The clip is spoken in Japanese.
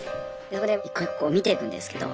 そこで一個一個見てくんですけど。